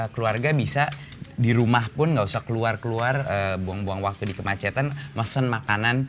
keluarga bisa di rumah pun nggak usah keluar keluar buang buang waktu di kemacetan mesen makanan